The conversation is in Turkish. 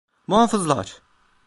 Muhafızlar!